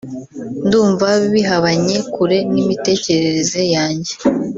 ndumva bihabanye kure n’imitekerereze yanjye